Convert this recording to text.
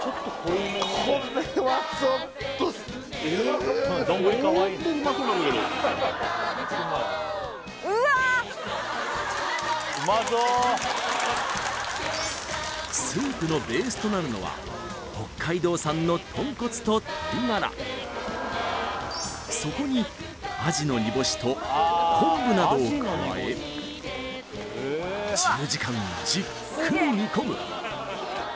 これはちょっと本当にうまそうなんだけどスープのベースとなるのは北海道産の豚骨と鶏ガラそこにアジの煮干しと昆布などを加え１０時間じっくり煮込む